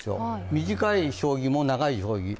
短い将棋も、長い将棋も。